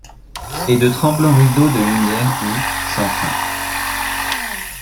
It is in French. Et de tremblants rideaux de lumière où, sans fin